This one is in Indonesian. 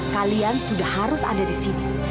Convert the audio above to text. kalian sudah harus ada di sini